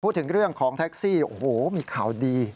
พูดถึงเรื่องของแท็กซี่โอ้โหมีข่าวดี